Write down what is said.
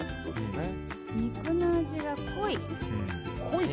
肉の味が濃い。